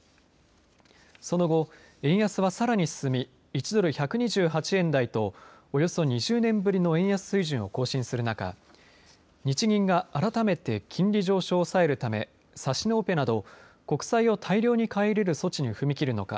その後、円安はさらに進み１ドル、１２８円台とおよそ２０年ぶりの円安水準を更新する中日銀が改めて金利上昇を抑えるため指値オペなど国債を大量に買い入れる措置に踏み切るのか